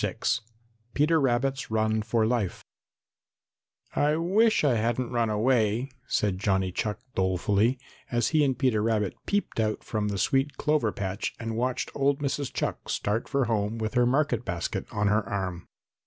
VI PETER RABBIT'S RUN FOR LIFE "I wish I hadn't run away," said Johnny Chuck dolefully, as he and Peter Rabbit peeped out from the sweet clover patch and watched old Mrs. Chuck start for home with her market basket on her arm.